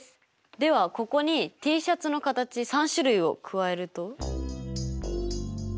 ではここにＴシャツの形３種類を加えると？